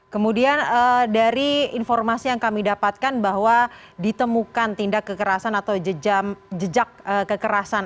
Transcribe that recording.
kemudian dari informasi yang kami dapatkan bahwa ditemukan tindak kekerasan atau jejak kekerasan